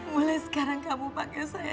mulai sekarang kamu pakai saya